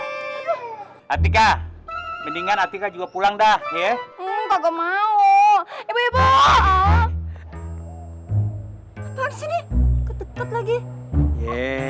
datika mendingan adika juga pulang dah ye mu maos bye bye